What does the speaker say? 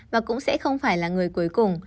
và cũng sẽ không phải là người cuối cùng